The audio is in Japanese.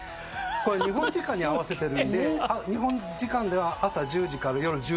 これ日本時間に合わせてるんで日本時間では朝１０時から夜１０時までです。